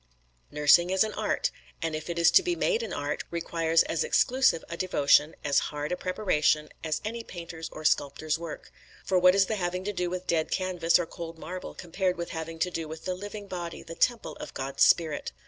"Nursing is an art; and if it is to be made an art, requires as exclusive a devotion, as hard a preparation, as any painter's or sculptor's work; for what is the having to do with dead canvas or cold marble compared with having to do with the living body, the temple of God's Spirit?